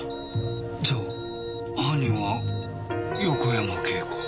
じゃあ犯人は横山慶子。